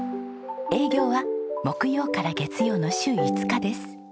営業は木曜から月曜の週５日です。